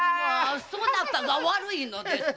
そなたが悪いのですもう！